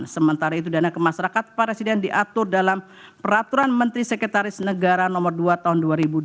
sementara itu dana ke masyarakat presiden diatur dalam peraturan menteri sekretaris negara nomor dua tahun dua ribu dua puluh